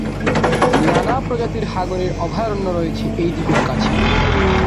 নানা প্রজাতির হাঙরের অভয়ারণ্য রয়েছে এই দ্বীপের কাছে।